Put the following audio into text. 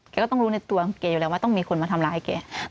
ก็ต้องรู้ในตัวแกอยู่แล้วว่าต้องมีคนมาทำร้ายแก